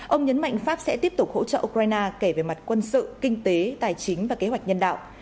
ông nhấn mạnh pháp sẽ tiếp tục hỗ trợ ukraine kể về mặt quân sự kinh tế tài chính và kế hoạch nhân đạo